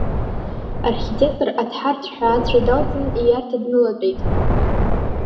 Архитектор аҭҳарцәҳәа ацәа даалҵын, ииарҭа днылатәеит.